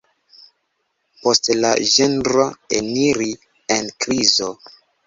Poste la ĝenro eniri en krizon.